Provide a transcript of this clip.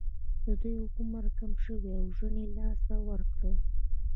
د دوی عمر کم شو او ژوند یې له لاسه ورکړ.